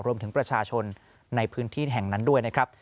รวมถึงประชาชนในพื้นที่แห่งนั้นด้วยนะครับ